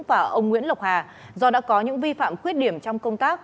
và ông nguyễn lộc hà do đã có những vi phạm khuyết điểm trong công tác